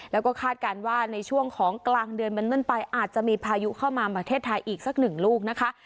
แล้วก็คาดการณ์ว่าในช่วงของกลางเดือนเป็นต้นไปอาจจะมีพายุเข้ามาประเทศไทยอีกสักหนึ่งลูกนะคะ